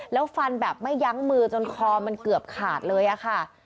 แล้วฟันแบบไม่ยั้งมือจนคอมันเกือบขาดเลยอะค่ะ